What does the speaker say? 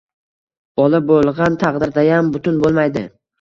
Bola bo‘lg‘an taqdirdayam butun bo‘lmaydi